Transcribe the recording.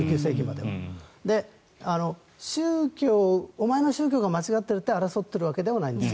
で、お前の宗教が間違ってるって争っているわけでもないんです。